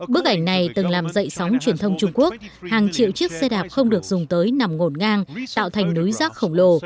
bức ảnh này từng làm dậy sóng truyền thông trung quốc hàng triệu chiếc xe đạp không được dùng tới nằm ngổn ngang tạo thành núi rác khổng lồ